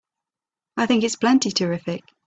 I think it's plenty terrific!